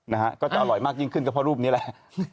นะฮะก็จะอร่อยมากยิ่งขึ้นก็เพราะรูปนี้แหละ